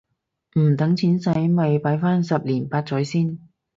唔等錢洗咪擺返十年八載先